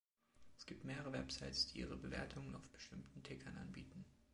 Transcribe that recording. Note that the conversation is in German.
Es gibt mehrere Websites, die ihre Bewertungen auf bestimmten Tickern anbieten.